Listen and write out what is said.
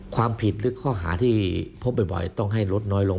ความผิดหรือข้อหาที่พบบ่อยต้องให้ลดน้อยลง